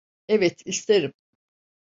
Evet, isterim.